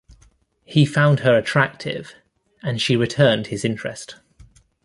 He found her attractive, and she returned his interest.